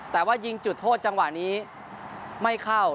แต่ว่ายิงจุดโทษจังหวะนี้ไม่เข้า